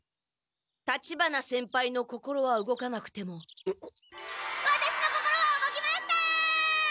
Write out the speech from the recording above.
立花先輩の心は動かなくてもワタシの心は動きました！